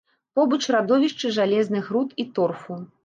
Побач радовішчы жалезных руд і торфу.